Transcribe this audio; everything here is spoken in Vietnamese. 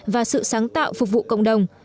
và sự sáng tạo phục vụ cộng đồng